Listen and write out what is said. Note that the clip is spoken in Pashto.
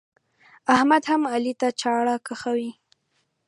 احمد هم علي ته چاړه کښوي.